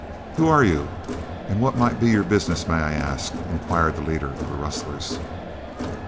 "Who are you and what might be your business, may I ask?" inquired the leader of the rustlers.